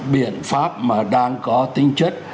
biện pháp mà đang có tính chất